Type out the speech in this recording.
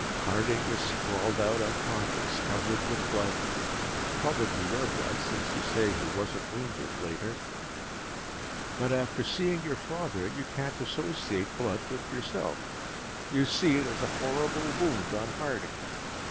Harding is sprawled out unconscious, covered with blood probably your blood, since you say he wasn't wounded, later. "But after seeing your father, you can't associate blood with yourself you see it as a horrible wound on Harding.